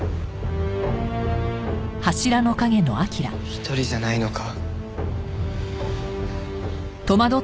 １人じゃないのか。